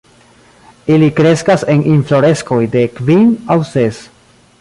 Ili kreskas en infloreskoj de kvin aŭ ses.